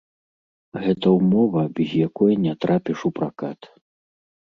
Гэта ўмова, без якой не трапіш у пракат.